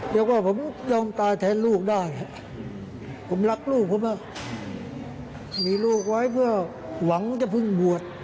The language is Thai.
แล้วก็ผมยอมตายแทนลูกได้ผมรักลูกผมอ่ะมีลูกไว้เพื่อหวังจะเพิ่งบวช